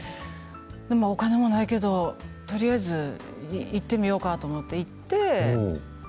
お金もないけど、とりあえず行ってみようかと思って行って。